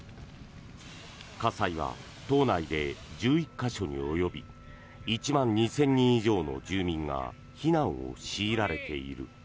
火災は島内で１１か所に及び１万２０００人以上の住民が避難を強いられている。